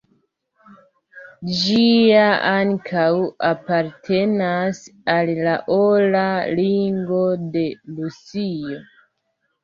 Ĝia ankaŭ apartenas al la Ora Ringo de Rusio.